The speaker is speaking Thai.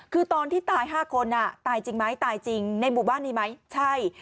คือตอนที่ตาย๕คนตายจริงไหมตายจริงในหมู่บ้านนี้ไหมใช่